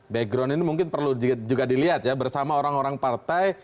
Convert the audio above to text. background ini mungkin perlu juga dilihat ya bersama orang orang partai